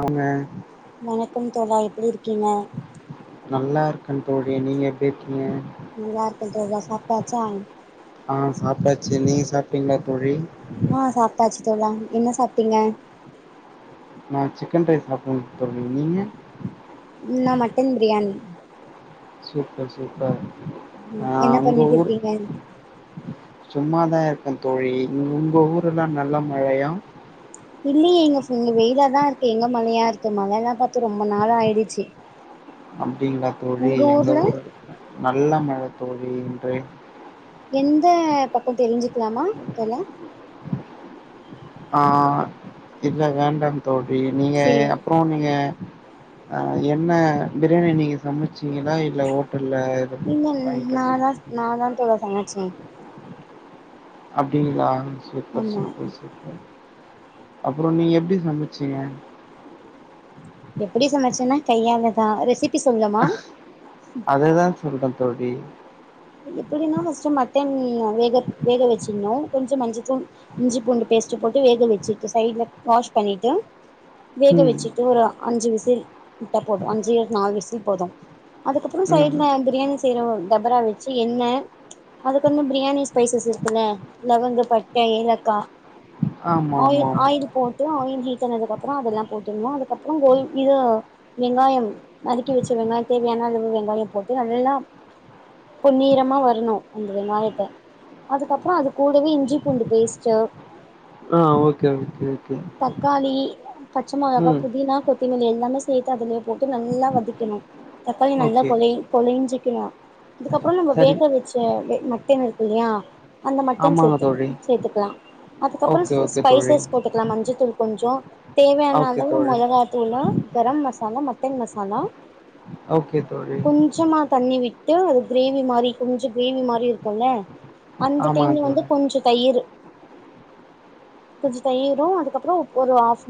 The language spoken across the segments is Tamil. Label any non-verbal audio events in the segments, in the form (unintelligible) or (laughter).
அவங்க வணக்கம் தோழாய் எப்படி இருக்கீங்க நல்லா இருக்கக்கேன் தோழி நீங்க எப்டிருக்கீங்க நல்லா இருக்கேன் தோழா சாப்டாச்சா ஆ சாப்பிட்டாச்சு நீங்க சாப்பிட்டீங்களா தோழி ஆ சாப்டாச்சு தோழா என்ன சாப்பிட்டீங்க. நான் சிக்கன் ரைஸ் சாப்டேனுங்க தோழி நீங்க. நான் மட்டன் பிரியாணி. Super super. உம் ஆ என்ன பண்ணிட்டு இருக்கீங்க. சும்மாதான் இருக்கேன் தோழி உங்க ஊர்ல்லாம் நல்ல மழையா. இல்லையே இங்க புல் வெயிலாதா இருக்கு எங்க மழையா இருக்கு மழைலா பார்த்து ரொம்ப நாள ஆய்டுச்சு. அப்படிங்களா தோழி எங்க ஊர் நல்ல மழை தோழியின்று பக்கம் தெரிஞ்சுக்கலாமா தோழா ஆஹ் இல்ல வேண்டாம் தோழி நீங்க செரி அப்புறம் நீங்க. அஹ் என்ன பிரியாணி நீங்க சமைச்சீங்களா இல்ல ஹோ. நீங்க நாதா நாதான் தோழா சமச்சேன். அப்படிங்களா. சூப்பர் ஆமா சூப்பர் சூப்பர். அப்புறம் நீங்க எப்டி சமச்சீங்க. எப்படி சமைச்சேன்னா கையாலதான் ரெசிபி சொல்லமா அதுதான் சொல்றேன் தோழி எப்படின்னா பர்ஸ்ட்டு மட்டன் வே வேக வச்சுகனும் கொஞ்சம் மஞ்சத்தூள் இஞ்சி பூண்டு பேஸ்ட்ட் போட்டு வேக வச்சுட்டு சைட்ல வாஷ் பண்ணிட்டு வேக ம், வச்சுட்டு ஒரு அஞ்சு விசில் வீசில் விட்ட போதும் அஞ்சுவிசில் நாலுவிசில் போதும் அதுக்கப்பறம் ம். சைட்ல கிரீன் டபரா வச்சு என்ன அதுக்குன்னு பிரியாணி ஸ்பைசஸ் இருக்குல்ல லவங்கம் பட்டை ஏலக்காய் ஆமா, ஆமா, ஆயில் ஆமா. ஆயில் போட்டு ஆயில் ஈட்டனது அப்புறம் அதெல்லாம் போட்டர்ணும் அதுக்கப்புறம் கோ இது வெங்காயம் நறுக்கி வச்ச வெங்காய தேவையான அளவு வெங்காயம் போட்டு நல்லா பொன்னி நிறமா வரணும் அந்த வெங்காயத்தை அதுக்கப்பறம் அது கூடவே இஞ்சி பூண்டு பேஸ்ட்டு ஆ ஓகே ஓகே தக்காளி பச்ச மிளகா ம். புதினா கொ இதுல எல்லாமே சேத்து அதிலேயே போட்டு நல்லா வதக்கணும் தக்காளி நல்லா ஓகே. கொலைய கொலைஞ்சுக்கணும் அதுக்கப்பறம் நம்ம சரி. வேக வச்ச மட்டன் இருக்குல்லையா அத மட்டும் ஆமாங்க சேர்த்து தோழி. சேர்த்துக்கலாம் அதுக்கப்பறம் ஓகே, ஓகே தோழி. ஸ்பைசஸ் போட்டு மஞ்சதூள் கொஞ்சம தேவையானா ஓகே அளவு தோழி. மொளகாத்தூளு தோழா கர மசாலா மட்டன் மசாலா ஓகே தோழி. கொஞ்சமா தண்ணி விட்டு அது கிரேவி மாரி கொஞ்சம் கிரேவி மாதிரி இருக்கும்ல அந்த ஆமாங்க டைம்ல வந்து தோழி. கொஞ்சம் தயிர் கொஞ்சம் தயிர் அதுக்கப்புறம் ஒரு ஹாப்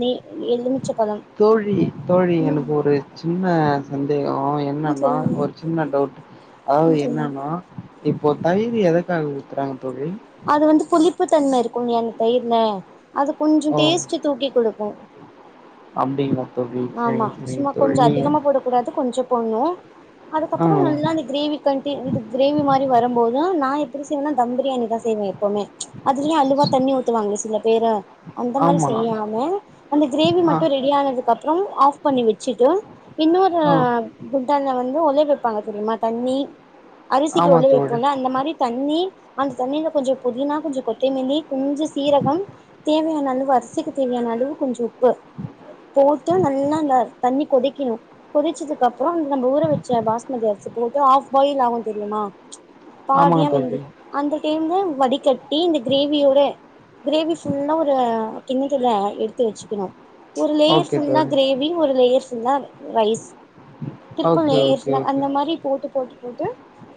எழுமிச்ச தோழி தோழி எனக்கு ஒரு சின்ன சந்தேகம் ம் என்னனா சொல்லுங்க ஒரு சின்ன டவுட் அதாவது ம் சொல்லுங்க என்னனா இப்போ தயிர் எதற்காக ஊத்துராங்க தோழி அது வந்து புளிப்பு தன்மை இருக்கும்லையா தயர்ல அது கொஞ்சம் டேஸ்ட்டு தூக்கி கொடுக்கும் உம் அப்படிங்கலா தோழி சரிங்க சரிங்க தோழி நீ போனும் அதுக்கப்பறம் நல்லா அந்த கிரேவி கண்டி இது கிரேவி மாரி வரும்போது தான் நான் எப்படி செய்வேனா தம் பிரியாணி தா செய்வேன் எப்பவுமே அதுலயே அளவா தண்ணி ஊத்துவாங்களாம் சில பேரு அந்த மாரி ஆமா செய்யாம அந்த கிரேவி ஆ மட்டும் ரெடி ஆனதுக் அப்பறம் ம் ஆஃப் பண்ணி வச்சிட்டு இன்னொரு ஆ குண்டான வந்து ஒலை வைப்பாங்க தெரியுமா தண்ணி அரிசி கி ஆமா ஒழ தோழி வைப்போம்ல அந்த மாரி தண்ணி ண்ணீ அந்த தண்ணில கொஞ்ச புதினா கொஞ்ச கொத்தமலி கொஞ்ச சீரகம் தேவையான அளவு அரிசிக்கி தேவையான அளுவு கொஞ்சம் உப்பு போட்டு நல்லா அந்த தண்ணி கொதிக்கணும் கொதிச்சதுக்குப்புறம் அ நம்ம ஊற வச்ச பாஸ்மதி அரிசி போட்டு ஆப் பாயில் ஆகும் தெரியுமா பாதிய ஆமாங்க தோழி வெந்து அந்த டே ம் வடிகட்டி இந்த கிரேவியோட கிரேவி ஃபுல்லா ஒரு கிண்ணலத எடுத்து வச்சிகனும் ஒரு லேயர் ஓகே ஃபுல்லா தோழி கிரேவி ஒரு லேயர்ஸ் ல்ல ரைஸ் ஓகே ஓகே திருப்லேர்ஸ்ன ஓகே அந்த மாரி போட்டு போட்டு ஓகே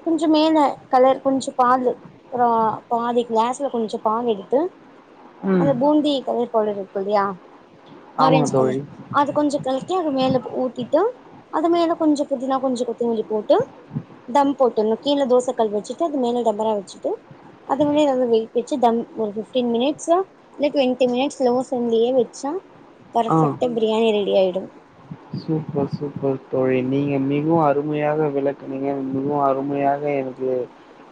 கொஞ்சோ மேல கலர் கொஞ்சோ பாலு அப்பறோ பாதி கிளாஸ்ல கொஞ்ச பால் எடுத்து அந்த ம் பூந்தி கலர் கலர் இருக்குலியா ஆமாங்க ஆரஞ்சு கலர் தோழி அது கொஞ்சோ கலர் அது மேல ஊத்திட்டு அது மேல கொஞ்சோ புதினா கொஞ்ச கொத்தமலி போட்டு தம் போட்டுர்ணு கீழ தோசக்கல் வச்சிட்டு அது மேல டபரா வச்சுட்டு அது மே நல்ல வெயிட் வச்சி தம் ஒரு ஃபிப்டீன் மினிட்ஸா இல்ல டொண்ட்டி மினிட்ஸ் லோ ஃவிளேம்லயே வச்சா ஆ பர்ஃபெக்டா பிரியாணி ரெடி ஆயிடு ஓ சூப்பர் தோழி நீங்க மிகவு அருமையாக விளக்குனீங்க மிகவு அருமையாக எனக்கு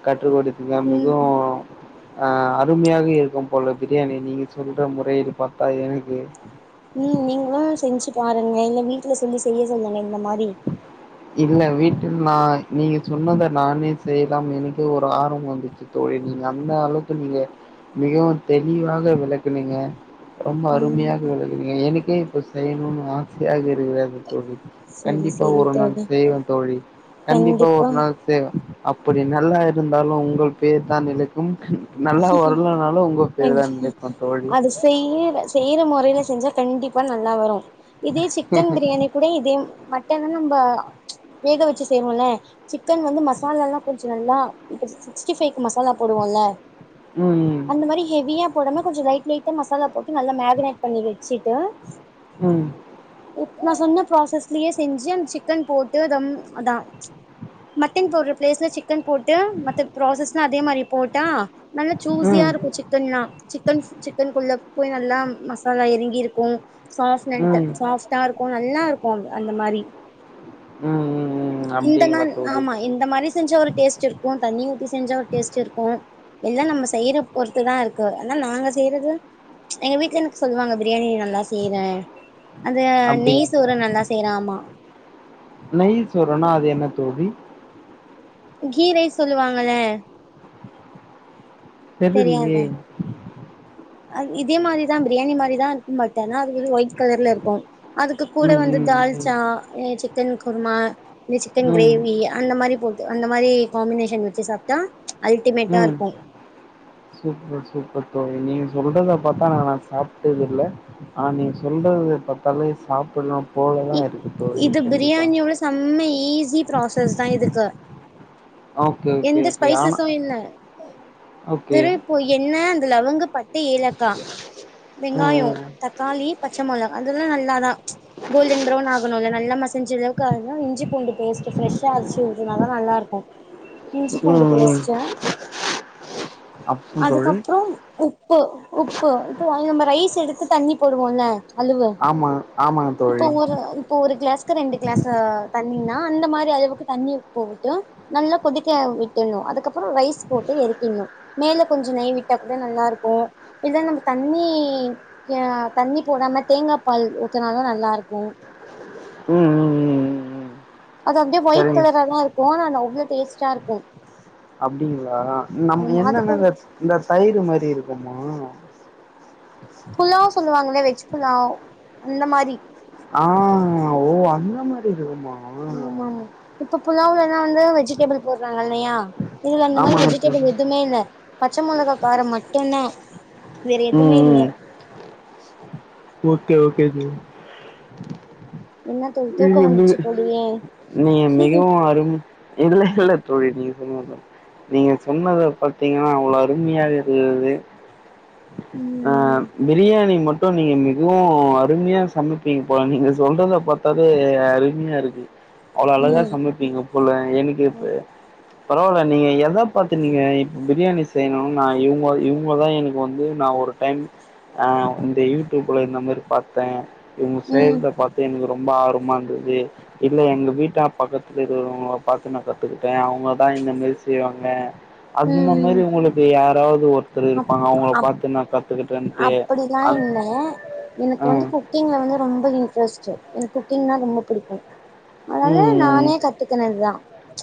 கற்றுகொடு இங்க ம் மிகவு அ அருமையாக இருக்கு போல பிரியாணி நீங்க சொல்ற முறையில் பாத்தா எனக்கு உ நீங்களு செஞ்சு பாருங்க இல்ல வீட்ல சொல்லி செய்ய சொல்லுங்க இந்த மாரி இல்ல வீட்டில்னா நீங்க சொன்னத நானே செய்லாம் எனக்கு ஒரு ஆர்வம் வந்துச்சி தோழி நீங்க அந்த அளவுக்கு நீங்க மிகவும் தெளிவாக விளக்குனீங்க ரொம்ப அருமையாக ம் விளக்குறீங்க எனக்கே இத செய்யனு ஆசயாக இரு விக தோழி செரி கண்டிப்பா செரி ஒரு நாள் தோழி செய்வே தோழி கண்டிப்பா ஒரு நாள் செய்வே அப்டி நல்லா இருந்தாலு உங்கள் பேர்தா நிலைக்கு நல்லா வரலனாலு உங்க பேருதா நிலைக்கு தோழி செய்ற மொறயில செஞ்சா கண்டிப்பா நல்லா வரு இதே சிக்கன் பிரியாணி கூட இதே மட்டன்னா நம்ப வேக வச்சு செய்வோம்ல சிக்கன் வந்து மசாலலா கொஞ்சோ நல்லா இப்ப சிக்ஸ்டி ஃபைவ்கு மசாலா போடுவோல ம் ம் அந்த மாரி ஹெவியா போடாம கொஞ்ச லைட் லைட்டா மசாலா போட்டு நல்லா மேக்னேட் பண்ணி வச்சுட்டு ம், ம், நா சொன்ன ப்ராசஸ்லயே செஞ்சு அந்த சிக்கன் போட்டு அத அதா மட்டன் போடுற பிளேஸ்ல சிக்கன் போட்டு மற்ற ப்ராசஸ்ல அதே மாதிரி போட்டா நல்லா சூசியா ம், இருக்கு சிக்கன்ல்லா சிக்கன் சிக்கன்க்குள்ள போய் நல்லா மசாலா எறங்கி இருக்கும் சாப்னெட் ம், சாஃப்டா இருக்கு நல்லா இருக்கு அந்த மாரி ம், ம். இந்த மா அப்படிங்களா தோழி? ஆமா இந்த மாரி செஞ்சா ஒரு டேஸ்ட் இருக்கு தண்ணி ஊத்தி செஞ்சா ஒரு டேஸ்ட் இருக்கு எல்லா நம்ம செய்யுற பொறுத்துதா இருக்கு ஆனா நாங்க செய்யுறது எங்க வீட்ல எனக்கு சொல்லுவாங்க பிரியாணி நல்லா செய்ற அது அப்படி நெய் சோறு நல்லா சாப் செய்ற ஆமா நெய் சோறுனா அது என்ன தோலி கீ ரைஸ் சொல்லுவாங்கள தெரிலையே அ இதே மாரிதா பிரியாணி மாரிதா இருக்கு பட் அனா அது வந்து ஒயிட் கலர்ல இருக்கு அதுக்கு கூட ம் வந்து ம் தால் ம் ஜா அ சிக்கன் குர்மா இந்த சிக்கன் ம் கிரேவி அந்த மாரி போட்டு அந்த மாரி காம்பினேஷன் வச்சு சாப்ட்டா அல்டிமேட்டா ம் இருக்கு சூப்பர் சூப்பர் தோலி நீங்க சொல்றதா பாத்தா நா நா சாப்ட்டது இல்ல ஆனா நீங்க சொல்றது பாத் தள்ளுங்க சாப்பிடலா போலலா இ இருக்கு தோழி இது கண்டிப்பா பிரியாணியோட செம்ம ஈஸி ப்ராசஸ் தா இதுக்கு ஓகே ஓகே எந்த ஓகே ஆனா ஸ்பைசஸு இல்ல ஓகே வேறு இப்போ என்ன லவங்க பட்ட ஏலக்கா வெங்காயோ ம் தக்காளி பச்ச மொளகா அதுலா நல்லாதா கோல்டன் பிரௌன் ஆகனுல்ல நல்லா மசஞ்ச அளவுக்கு ஆகனு இஞ்சிபூண்டு பேஸ்ட் ஃப்ரெஷ்ஷா அரச்சு ஊத்துனாதா நல்லா இருக்கு இஞ்சி ம் பூண்டு ம் ம் பேஸ்ட்டு அப்போ தோழி அதுக்கப்புறோ உப் உப்பு உப்பு இப்ப நம்ம ரைஸ் எடுத்து தண்ணி போடுவோல ஆமா ஆமா இப்போ ஒரு இப்ப ஒரு கிளாஸ்க்கு ரெண்டு கிளாஸ் தண்ணின்னா அந்த மாரி அளவுக்கு தண்ணி போட்டு நல்லா கொதிக்க விட்டணு அதுக்கப்புறோ ரைஸ் போட்டு எரக்கிணு மேல கொஞ்ச நெய் விட்டா கூட நல்லா இருக்கு இல்ல நம்ம தண்ணி ஆ தண்ணி போடாம தேங்கா பால் ஊத் த்துனாலு நல்லா இருக்கு ம் ம் ம் ம் ம் அது அப்டியே ஒயிட் சரிங்க கலரா தா இருக்கு அது அவ்ளோ டேஸ்ட்டா இருக்கு அப்டிங்களா நம்ம ம் அது என்னன்ன கூட இந்த இந்த தயிர் மாரி இருக்குமா புல்லாவ் சொல்லுவாங்களே (unintelligible) வெஜ் புலாவ் அந்த மாரி ஆ ஓ அந்த மாரி இருக்குமா ஆமா மா இப்ப புலாவ்லலா வந்து வெஜிடேபிள் போடுறாங்க இல்லையா இதுல அந்த மாரி ஆமா ப்ரோ வெஜிடபிள் எதுமே இல்ல பச்ச மொளகா காரோ மட்டு்ந்தா வேற எதுமே ம் இல்ல ம் ஓகே ஓகே தோழி என்ன தோழி மிக தூக்கோ மிக வந்துச்சு போலயே நீங்க மிகவு அரும இல்ல இல்ல தோழி நீங்க சொன்னதுதா நீங்க சொன்னத பாத்தீங்கன்னா அவ்ளோ அருமையாக இருந்தது ஆ ம் பிரியாணி மட்டு நீங்க மிகவு அருமையா சமைப்பீங்க போல நீங்க சொல்றத பாத் தாவே அருமையா இருக்கு அவ்ளோ அழகா ம் சமைப்பீங்க போல எனக்கு இப்ப பரவால்ல நீங்க எத பாத்து நீங்க இப் பிரியாணி செய்யணு நா இவுங்க இவுங்கதா எனக்கு வந்து நா ஒரு டைம் ஆ இந்த யூடியூப்ல இந்த மாரி பாத்தே இவங்க ம் செய்யறத பாத்தே எனக்கு ரொம் ப ஆர்வமா இருந்தது இல்ல எங்க வீட்ட ஆ பக்கத்துல இருக்கறவங்கள பாத்து நா கத்துக் கிட்டே அவங்கதா இந்த மாரி செய்வாங் க அந்த ம் மாரி உங்களுக்கு யாராவது ஒரு அப் அப் அப்படிலா இல்ல எனக்கு அ. வந்து குக்கிங்ல வந்து ரொம்ப இ ன்ட்ரெஸ்ட்டு எனக்கு குக்கிங்னா ரொம்ப பிடிக்கு அதனால ம். நானே கத்துக்குனதுதா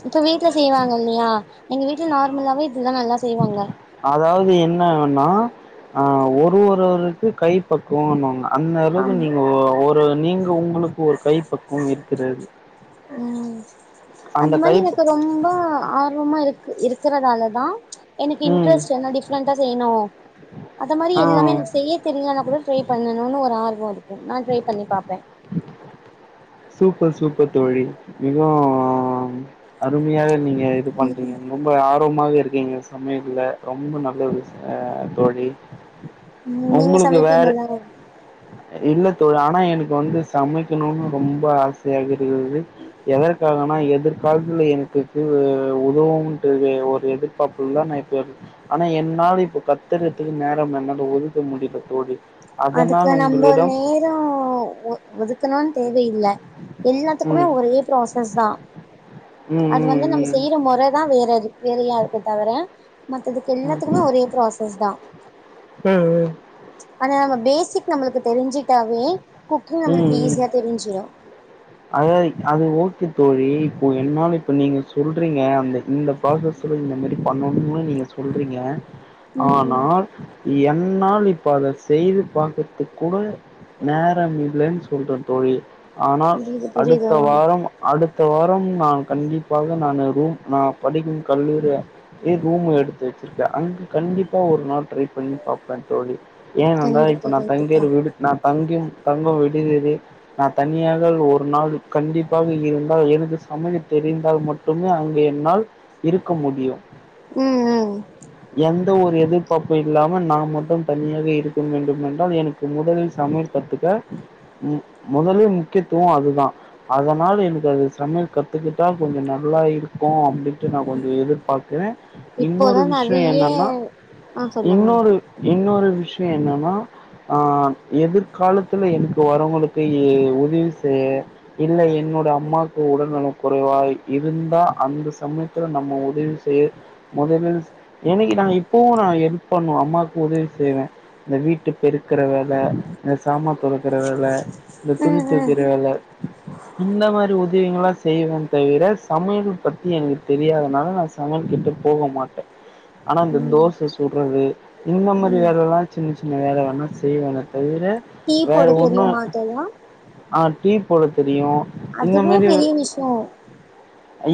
இப்ப வீட்ல செய்வாங்க இல்லயா எங்க வீட்ல நார்மலாவே எல்லா நல்லா செய்வாங்க ன ஒன்னுனா ஆ ஒருஒருவருக்கு கைப்பக்குவோம்பாங்க அந்த அளவுக்கு ஆமா நீங்க ஒ ஒ ரு நீங்க உங்களுக்கு ஒரு கைப்பக்குவம் இருக்கிறது ம் அந்த மாரி எனக்கு ரொம்ப ஆர்வமா இரு க்கு இருக்கிறதாலதா எனக்கு ம் இன்ட்ரெஸ்ட் என்ன டிஃப்ரெண்டா செய்யணு அத மாரி ஆ எல்லாமே எனக்கு செய்ய தெரியலனா கூட ட்ரை பண்ணணுன்னு ஒரு ஆர் வோ அது நா ட்ரை பண்ணி பாப்பே. ப்பர் சூப்பர் தோழி மிகவு அருமையாக நீங் க இது ம் பண்றீங்க ரொம்ப ஆர்வமாக இரு இந்தப சமயத்துல ரொம்ப நல்ல ஒரு ஆ தோழி ம் நீங்க உங்களுக்கு வேற சமைப்பீங்கல்ல இல்ல தோழி ஆனா எனக்கு வந்து சமைக்கனுனு ரொம்ப ஆசையாக இருந்தது எதற்காகனா எதிர்காலத்துல எனக்குத்து உதவும்ட்டு ஒரு எதிர்பாப்புல தா நா இப்ப ஆனா என்னால இப்ப கத்துறதுக்கு நேரம் என்னால ஒதுக்க முடில தோழி அதனால உங் ப நேரொ ஒ ஒதுக்கலா தேவையில்ல எல்லாத்துக்குமே ம் ஒரே ப்ராசஸ் தா ம் அது ம் வந்து நம்ம ம் செய்யிற மொற தா வேறது வேறயாருக்கு தவுர மத்ததுக்கு ம் எல்லாத்துக்குமே ஒரே ப்ராசஸ் தா ம் ம் நாம பேசிக் நம்ளுக்கு தெரிஞ்சு ட்டாவே குக்கிங் நம்ளுக்கு ஈஸியா தெரிஞ்சிரு அத அது ஓகே தோழி இப்போ என்னால இப்ப நீங்க சொல்றீங்க அந்த இந்த ப்ராசஸ்ல இந்த மாரி பண்ணணும்னு நீங்க சொல்றீங்க ம் ம் ஆனால் என்னால் இப் ப அத செய்து பாக்கற்துக் கூட நேரம் இல்லன் சொல்ற தோழி அ புரியுது புரியுது ஆ அடுத்த வாரம் அடு த்தவாரம் நா கண்டிப்பாக நானு ரூம் நா படிக்கும் கல்லூரிய யே ரூம் எடுத்து வச்சிருக்கே அங்கு கண்டிப்பா ஒரு நாள் ட்ரை பண்ணி பாப்பே தோழி ஏனென்றால் கண்டிப்பா இப்ப நா கண்டிப்பா தங்கிருக்க விடு நா தங் யும் தங்கும் விடுதியில் நா தனியாக ஒ ரு நாள் கண்டிப்பாக இருந்தால் எனக்கு சமைக்க தெரிந்தால் மட்டுமே அங்கு என்னால் இருக்க முடியு ம் ம் ந்த ஒரு எதிர்பாப்பு இல்லாம நா மட்டும் தனியாக இருக்க வேண்டும் என்றால் எனக்கு முதலில் சமையல் கத்துக்க முதலி முக்கியத்துவ அது தா அதனால் எனக்கு அது சமையல் கத்துக்கிட்டால் கொஞ்ச நல்லா இருக்கு அப்டி ன்ட்டு நா கொஞ்ச எதிர்பாக்குறே இன்னொரு இப்போதா விஷ்யொ நெறைய என்னன்னா ஆ சொல்லுங்க இன்னொரு இன்னொரு விஷ்யொ என்னன்னா ஆ எதிர்காலத்துல எனக்கு வரவுங்களுக்கு ஏ உதவி செய்ய இல்ல என்னோட அம்மாக்கு உடல்நலம் குறைவா இருந்தா அந்த சமயத்துல நம்ம உதவி செய்ய மொதலில் எனக்கு நா இப்பவு நா எல்ப் பண்ணுவே அம்மாக்கு உதவி செய்வே இந்த வீட்டு பெருக்குற வேல இந்த சாமா தொலக்குற வேல இந்த துணி ம் ம் தொக்கிற வேல இந்த மாரி உதவிங்கல்லா செய்வேன் தவிர சமையல் பத்தி எனக்கு தெரியாதனால நா சமையல் கிட்ட போக மாட்டே ஆனா இந்த ம் தோச சுட்றது இந்த மாரி ம் வேலல்லா சின்ன சின்ன வேல வேணா செய்வேனெ தவிர டீ வேற போட ஒன்னு தெரியுமா தோழா ஆ டீ போட தெரியு இந்த அதுவே மாரி பெரிய விஷயம்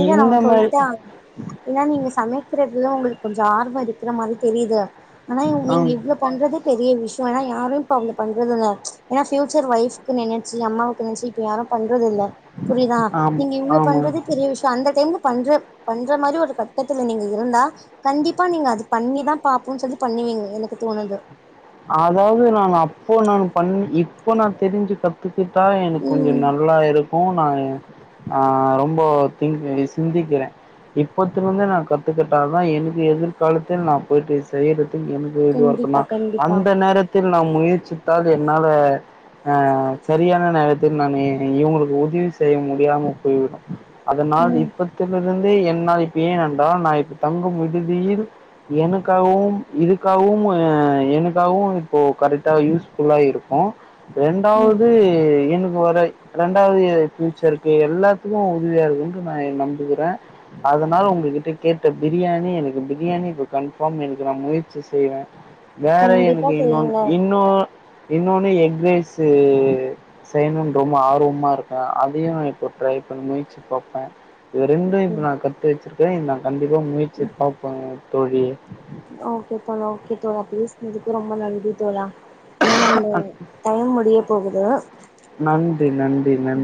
ஏனா இந்த அவன் மாரி சொல்லிட்டான் ஏன்னா நீங்க சமைக்கற இதுதான் உங்களுக்கு கொஞ்சம் ஆர்வம் இருக்கிற மாதிரி தெரியுது ஆனா ஆ நீங்க இவ்வளவு பண்றதே பெரிய விஷயம் என்னா யாரும் இப்ப பண்றதுா பியூச்சர் வைப் நினைச்சு அம்மாவு நினைச்சு இப்ப யாரும் பண்றது புரியுதா ஆமா நீங்க இவ்ளோ ஆமா பண்றதே பெரிய விஷயம் அந்த டைம் பண்ற பண்ற மாதிரி ஒரு கட்டத்துல நீங்க இருந்தா கண்டிப்பா நீங்க அது பண்ணிதான் பாப்போம் னு சொல்லிட்டு பண்ணுவீங்க எனக்கு தோணுது அதாவது நான் அப்போ நான் பண் இப்போ நான் தெரிஞ்சு கத்துக்க கத்துட்டா எனக்கு கொஞ்சம் ம் நல்லா இருக்கும் நான் ஆஹ ரொம்ப திக் சிந்திக்கிறேன் இப்பத்தலிருந்து நான் கத்துக்கிட்டா தான் எனக்கு எதிர்காலத்தில் நான் போயிட்டு செய்யறது எனக்கு இதுவா கண்டிப்பா இருக்கும்னா கண்டிப்பா அந்த நேரத்தில் நாம் முயற்சித்தால் என்னால அஹ சரியான நேரத்தில் நான் இவங்களுக்கு உதவி செய்ய முடியாம போய்விடும் அதனால் ம் இப்பத்திலிருந்து என்னால் இப்ப ஏன் என்றால் நான் இப்ப தங்கும் விடுதியில் எனக்காகவும் இதுக்காகவும் எனக்கு இப்போ கரெக்டா யூஸ்ஃபுல்லா இருக்கும் ம் ரெண்டாவது எனக்கு இது வர இரண்டாவது ஃபியூச்சருக்கு எல்லாத்துக்கும் உதவியாக இருக்குன்னு நான் நம்புகிறேன் அதனால் உங்க்கிட்ட கேட்ட பிரியாணி எனக்கு பிரியாணி இப்போ கன்ஃபார்ம் எனக்கு நான் முயற்சி செய்வேன் வேற கண்டிப்பா இன்னொ செய்யுங்க இன்னும் இன்னொன்ன எக் ரைஸ் செய்யணும்னு ரொம்ப ஆர்வமா இருக்கேன் அதையும் நான் இப்ப ட்ரை பண்ணி முயற்சி பார்ப்பேன் இது ரெண்டும் ம் இப்ப நான் கத்து வச்சிருக்கேன் இத நான் கண்டிப்பா முயற்சிப்பேன் தோழி இதுக்கு ரொம்ப நன்றி தோழா ஏன்னா நம்ம டைம் முடிய போகுது நன்றி நன்றி நன்றி